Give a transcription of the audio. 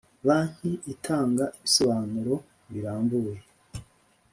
Banki itanga ibisobanuro birambuye